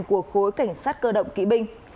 của khối cảnh sát cơ động kỵ binh